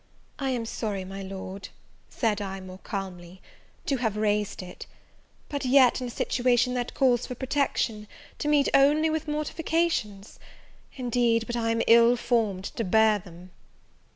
"I am sorry, my Lord," said I, more calmly, "to have raised it; but yet, in a situation that calls for protection, to meet only with mortifications, indeed, but I am ill formed to bear them!"